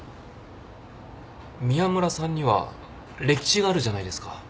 宮村さんには歴史があるじゃないですか。